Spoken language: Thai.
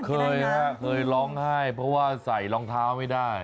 เคยฮะเคยร้องไห้เพราะว่าใส่รองเท้าไม่ได้